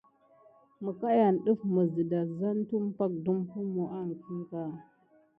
Məkayan yane def mis dedazan tumpay kutu suck kim kirore.